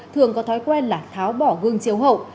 thường có thói quen là tháo bỏ gương chiếu hậu